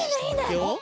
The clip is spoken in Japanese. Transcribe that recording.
いくよ。